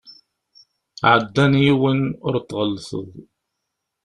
Ɛeddan yiwen, ur t-tɣellteḍ.